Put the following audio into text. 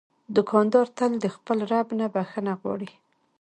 دوکاندار تل د خپل رب نه بخښنه غواړي.